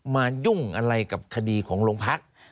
ยุ่งอะไรกับคดีของโรงพัก